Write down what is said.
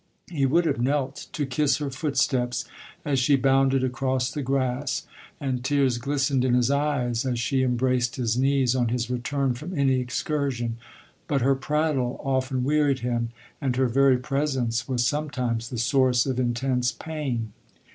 He would have knelt to ki ller footsteps as she bounded across the grass, and tears glistened in his eyes as she embraced his knees on his return from any excursion ; but her prattle often weaned him, and her verj presence was sometimes the source of intent pain.